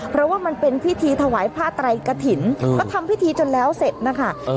เพราะว่ามันเป็นพิธีถวายผ้าไตรกระถิ่นเออแล้วทำพิธีจนแล้วเสร็จนะคะเออ